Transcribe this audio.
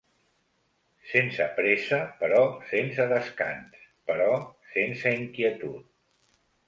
Sense pressa, però sense descans, però sense inquietud.